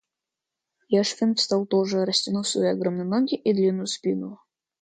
Яшвин встал тоже, растянув свои огромные ноги и длинную спину.